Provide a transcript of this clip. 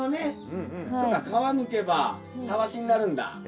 皮むけばたわしになるんだ。